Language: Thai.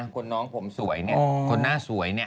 คนน้องผมสวยเนี่ยคนหน้าสวยเนี่ย